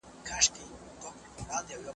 هغه وویل د سپکو خوړو بازار په چټکۍ وده کوي.